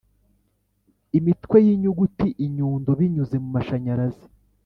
imitwe yinyuguti inyundo binyuze mumashanyarazi;